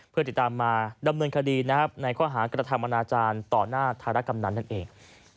เพื่อติดตามมาดำเนินคดีในความหากฎธรรมนาจารย์ต่อหน้าทารกรรมนั้นเอง